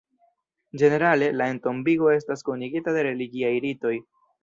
Ĝenerale, la entombigo estas kunigita de religiaj ritoj.